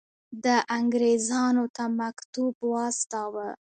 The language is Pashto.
ده انګرېزانو ته مکتوب واستاوه.